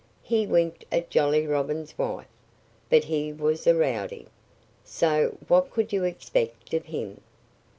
He winked at Jolly Robin's wife. But he was a rowdy. So what could you expect of him?